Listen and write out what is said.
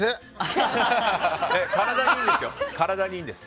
体にいいんです。